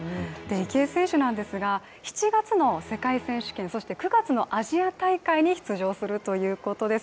池江選手なんですが７月の世界選手権、そして９月のアジア大会に出場するということです。